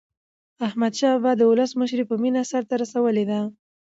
احمدشاه بابا د ولس مشري په مینه سرته رسولې ده.